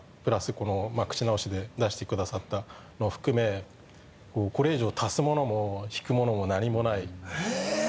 このまあ口直しで出してくださったのを含めこれ以上足すものも引くものも何もないへえー！